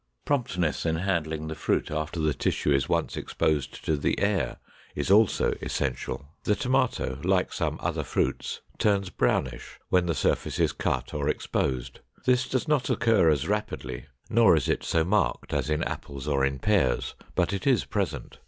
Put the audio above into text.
Promptness in handling the fruit after the tissue is once exposed to the air is also essential. The tomato, like some other fruits, turns brownish when the surface is cut or exposed. This does not occur as rapidly, nor is it so marked as in apples or in pears, but it is present.